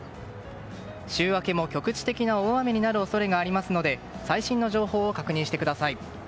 週明けも局地的な大雨になる恐れがありますので最新の情報を確認してください。